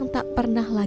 suci tidak pernah menikah